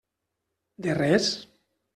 De res.